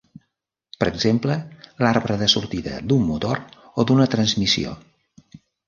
Per exemple l'arbre de sortida d'un motor o d'una transmissió.